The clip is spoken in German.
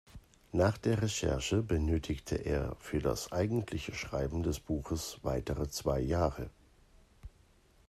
Nach der Recherche benötigte er für das eigentliche Schreiben des Buches weitere zwei Jahre.